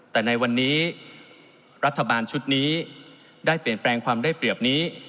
แต่ในวันนี้รัฐบาลชุดนี้ได้เปลี่ยนแปลงความได้เปรียบนี้